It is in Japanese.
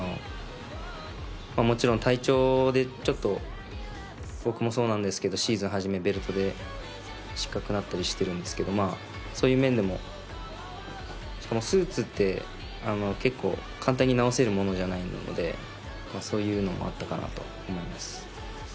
もちろん体調で、僕もそうなんですけどシーズン初めで失格になったりしてるんですけどそういう面でもスーツで、簡単に直せるものじゃないので、そういうのもあったかなと思います。